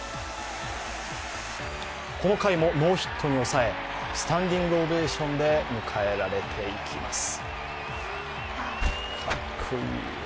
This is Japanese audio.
この回もノーヒットに抑え、スタンディングオベーションで迎えられていきます。